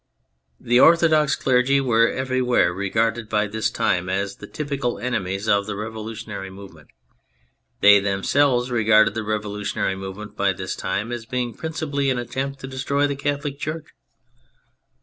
The orthodox clergy were everywhere re garded by this time as the typical enemies of the revolutionary movement ; they them selves regarded the revolutionary movement, by this time, as being principally an attempt to destroy the Catholic Church.